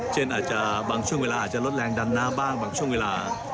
เจนอาจจะบางช่วงเวลาลดแรงดันหน้าบ้างบางช่วงเวลา